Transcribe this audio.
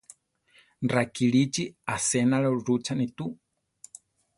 Rakilíchi asénalo rúchane tu.